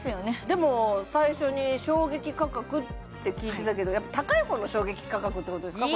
でも最初に衝撃価格って聞いてたけど高い方の衝撃価格ってことですか